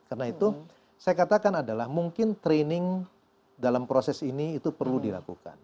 karena itu saya katakan adalah mungkin training dalam proses ini itu perlu dilakukan